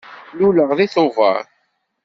Luleɣ deg Tubeṛ.